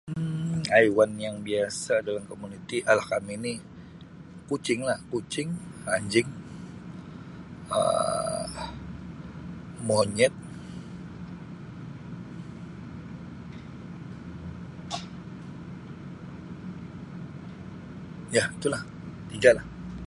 Um Haiwan yang biasa dalam komuniti arah kami ni kucing lah kucing Um anjing Um monyet ya tu lah tiga lah.